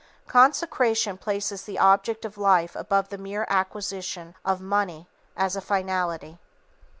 Consecration places the object of life above the mere acquisition of money, as a finality.